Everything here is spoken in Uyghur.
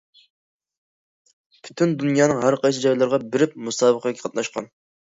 پۈتۈن دۇنيانىڭ ھەرقايسى جايلىرىغا بېرىپ مۇسابىقىگە قاتناشقان.